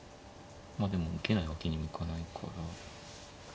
まあでも受けないわけにもいかないから。